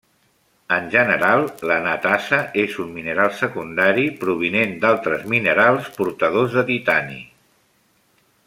En general l'anatasa és un mineral secundari, provinent d'altres minerals portadors de titani.